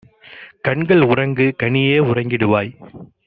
கண்கள் உறங்கு! கனியே உறங்கிடுவாய்!